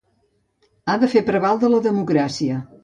Ha de fer prevaldre la democràcia.